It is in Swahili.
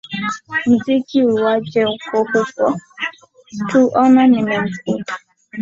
muziki iwaje uko huko tu ona nimemkuta